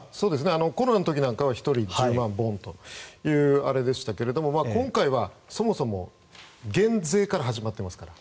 コロナの時は１人１０万円でしたけど今回はそもそも減税から始まっていますから。